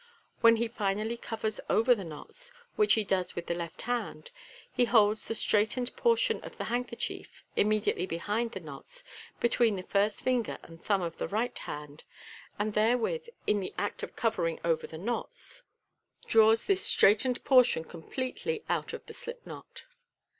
When he finally covers over the knots, which he does with the left hand, he holds the straightened portion of the handkerchief, immediately behind the knots, between the first finger and thumb of the right hand, and therewith, in the act of covering over the knots, draws this straightened portion completely out of the slip knot.